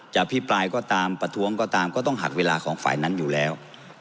อภิปรายก็ตามประท้วงก็ตามก็ต้องหักเวลาของฝ่ายนั้นอยู่แล้ว